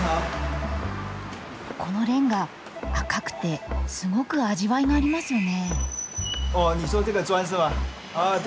このレンガ赤くてすごく味わいがありますよね？